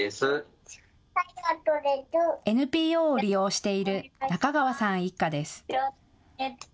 ＮＰＯを利用している中川さん一家です。